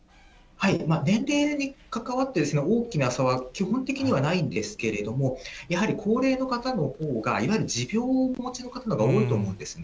年齢に関わって、そんな大きな差は基本的にはないんですけれども、やはり高齢の方のほうが、いわゆる持病をお持ちの方が多いと思うんですね。